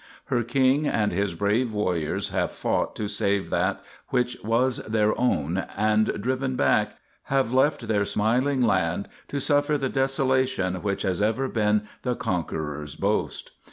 _ _Her king and his brave warriors have fought to save that which was their own and, driven back, have left their smiling land to suffer the desolation which has ever been the conqueror's boast.